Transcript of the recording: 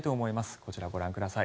こちらをご覧ください。